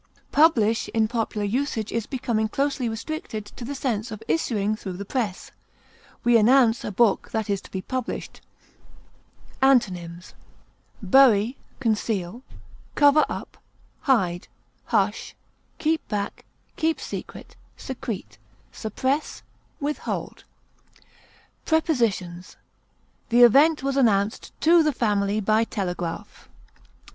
Publish, in popular usage, is becoming closely restricted to the sense of issuing through the press; we announce a book that is to be published. Antonyms: bury, cover (up), hush, keep secret, suppress, conceal, hide, keep back, secrete, withhold. Prepositions: The event was announced to the family by telegraph.